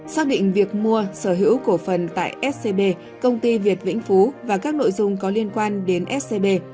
xác định việc mua sở hữu cổ phần tại scb công ty việt vĩnh phú và các nội dung có liên quan đến scb